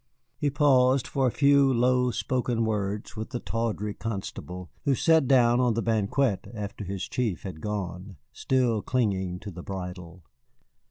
He paused for a few low spoken words with the tawdry constable, who sat down on the banquette after his chief had gone, still clinging to the bridle.